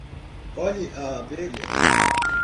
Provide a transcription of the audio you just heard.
olhe a abelha